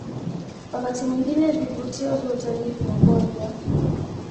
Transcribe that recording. Wakati mwingine vivutio vya utalii vinakuwa vya